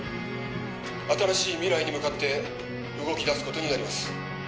新しい未来に向かって動きだすことになります